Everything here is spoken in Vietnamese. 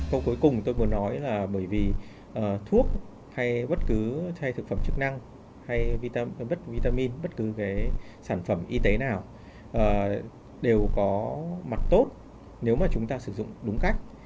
câu cuối cùng tôi muốn nói là bởi vì thuốc hay bất cứ thay thực phẩm chức năng hay vitamin bất cứ cái sản phẩm y tế nào đều có mặt tốt nếu mà chúng ta sử dụng đúng cách